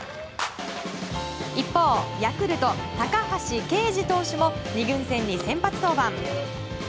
一方、ヤクルト高橋奎二投手も２軍戦に先発登板。